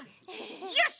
よし！